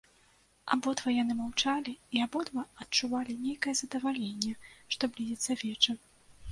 Абодва яны маўчалі і абодва адчувалі нейкае задаваленне, што блізіцца вечар.